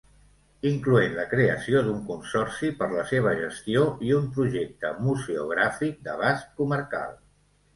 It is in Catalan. Incloent la creació d’un consorci per la seva gestió i un projecte museogràfic d’abast comarcal.